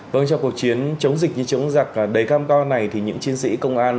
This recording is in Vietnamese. vâng trong cuộc chiến chống dịch như chống giặc đầy cam to này thì những chiến sĩ công an